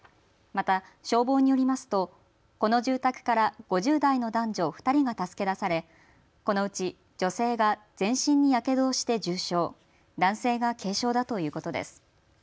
また消防によりますとこの住宅から５０代の男女２人が助け出されこのうち女性が全身にやけどをして重傷、男性が軽傷だということです。